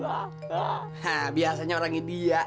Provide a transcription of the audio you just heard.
hah biasanya orang ini ya